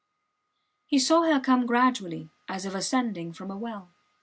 He saw her come up gradually, as if ascending from a well.